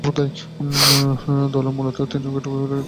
দলে তিনি মূলতঃ উইকেট-কিপারের দায়িত্ব পালন করতেন।